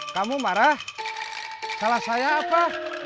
kamu marah salah saya apa